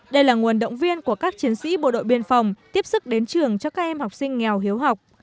đây là nguồn động viên của các chiến sĩ bộ đội biên phòng tiếp sức đến trường cho các em học sinh nghèo hiếu học